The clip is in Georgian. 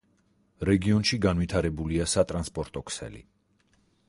რეგიონში განვითარებულია სატრანსპორტო ქსელი.